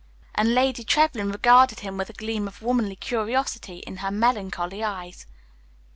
And Lady Trevlyn regarded him with a gleam of womanly curiosity in her melancholy eyes.